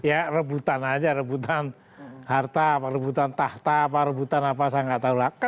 ya rebutan aja rebutan harta rebutan tahta apa rebutan apa saya nggak tahu lah